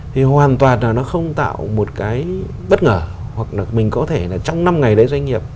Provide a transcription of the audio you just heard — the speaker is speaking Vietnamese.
thì hoàn toàn là nó không tạo một cái bất ngờ hoặc là mình có thể là trong năm ngày đấy doanh nghiệp